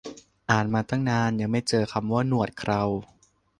อ่านมาตั้งนาน ยังไม่เจอคำว่าหนวดเครา